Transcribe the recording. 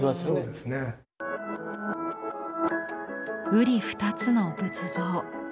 うり二つの仏像。